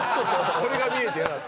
それが見えて嫌だった。